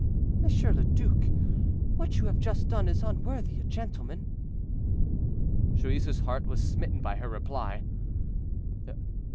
Monsieur le Duc, what you have just done is unworthy a gentleman." Joyeuse's heart was smitten by her reply.